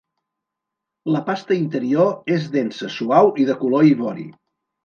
La pasta interior és densa, suau i de color ivori.